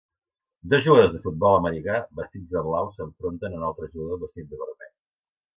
Dos jugadors de futbol americà vestits de blau s'enfronten a un altre jugador vestit de vermell.